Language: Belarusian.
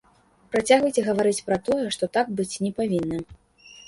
Працягвайце гаварыць пра тое, што так быць не павінна.